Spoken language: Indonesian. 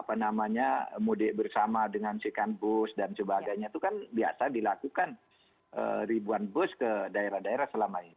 apa namanya mudik bersama dengan sikan bus dan sebagainya itu kan biasa dilakukan ribuan bus ke daerah daerah selama ini